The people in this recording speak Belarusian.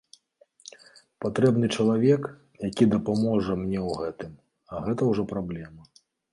Патрэбны чалавек, які дапаможа мне ў гэтым, а гэта ўжо праблема.